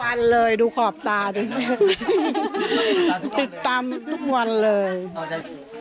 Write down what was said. การแก้เคล็ดบางอย่างแค่นั้นเอง